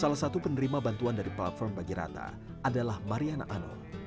salah satu penerima bantuan dari platform bagi rata adalah mariana ano